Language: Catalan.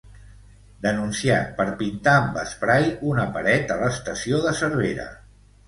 Denunciat per pintar amb esprai una paret a l'estació de Cervera.